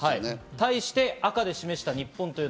対して赤で示したのが日本です。